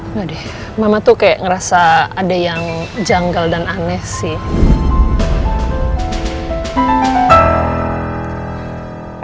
enggak deh mama tuh kayak ngerasa ada yang janggal dan aneh sih